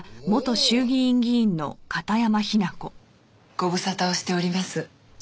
ご無沙汰をしております。